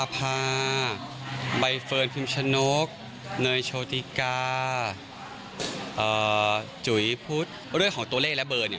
ไปฟังค่ะ